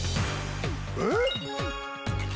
えっ⁉